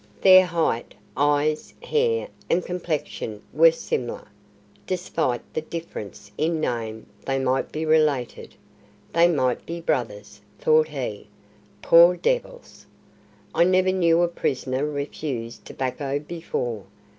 Their height, eyes, hair, and complexion were similar. Despite the difference in name they might be related. "They might be brothers," thought he. "Poor devils! I never knew a prisoner refuse tobacco before."